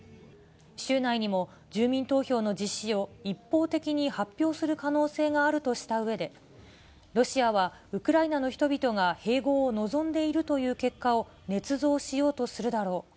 週内にも、住民投票の実施を一方的に発表する可能性があるとしたうえで、ロシアはウクライナの人々が併合を望んでいるという結果をねつ造しようとするだろう。